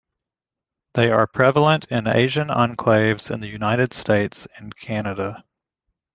They are prevalent in Asian enclaves in the United States and Canada.